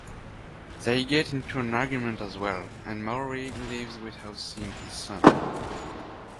They get into an argument as well and Maury leaves without seeing his son.